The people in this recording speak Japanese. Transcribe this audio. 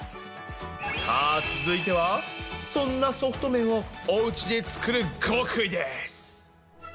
さあ続いてはそんなソフト麺をおうちで作る極意です。